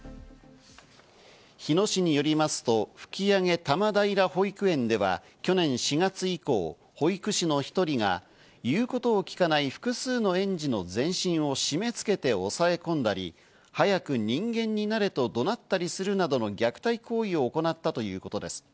日野市によりますと、吹上多摩平保育園では去年４月以降、保育士の１人が言うことを聞かない複数の園児の全身を締め付けて押さえ込んだり、「早く人間になれ」と、怒鳴ったりするなどの虐待行為を行ったということです。